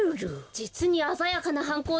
じつにあざやかなはんこうでした。